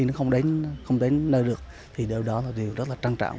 nó không đến nơi được thì điều đó là điều rất là trăng trạng